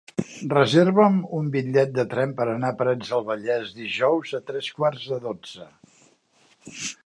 Reserva'm un bitllet de tren per anar a Parets del Vallès dijous a tres quarts de dotze.